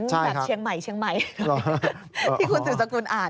ใช่ครับใช่ครับแบบเชียงใหม่เลยที่คุณสุดสกุลอ่าน